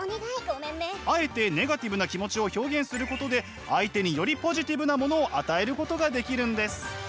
あえてネガティブな気持ちを表現することで相手によりポジティブなものを与えることができるんです。